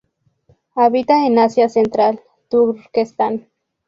Habita en Asia Central; Turquestán.